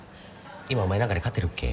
今お前何かに勝ってるっけ？